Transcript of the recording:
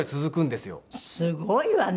すごいわね！